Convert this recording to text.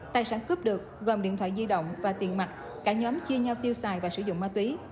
tài sản cướp được gồm điện thoại di động và tiền mặt cả nhóm chia nhau tiêu xài và sử dụng ma túy